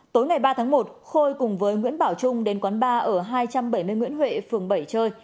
tối ngày ba tháng một khôi cùng với nguyễn bảo trung đến quán ba ở hai trăm bảy mươi nguyễn huệ phường bảy chơi